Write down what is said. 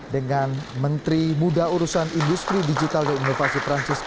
dengan menteri muda urusan industri digital dan inovasi perancis